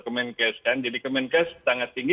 kemenkes kan jadi kemenkes sangat tinggi